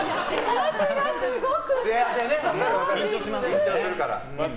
緊張するからね。